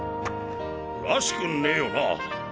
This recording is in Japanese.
らしくねぇよな。